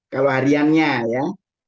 kalau hariannya ya